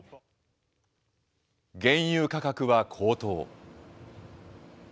原油価格は高騰。